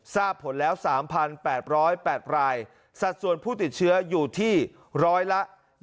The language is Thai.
ทราบผลแล้ว๓๘๐๘รายสัดส่วนผู้ติดเชื้ออยู่ที่ร้อยละ